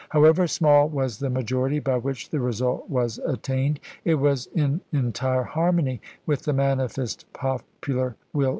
However small was the majority by which the result was attained, it was in entire harmony with the manifest popular will Nov.